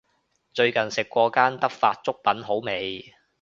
最近食過間德發粥品好味